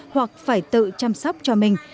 hoặc phải tự chăm sóc cho mình